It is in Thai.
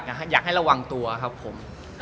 เขาบอกว่าอยากให้ระวังตัวครับผม